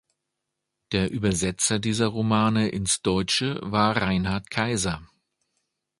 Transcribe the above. Der Übersetzer dieser Romane ins Deutsche war Reinhard Kaiser.